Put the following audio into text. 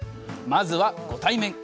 まずはご対面！